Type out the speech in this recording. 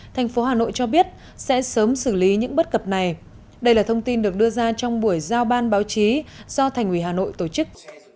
thành phố hà nội cho biết sẽ sớm xử lý những bất cập này đây là thông tin được đưa ra trong buổi giao ban báo chí do thành ủy hà nội tổ chức